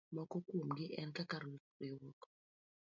Moko kuomgi en kaka:riwruok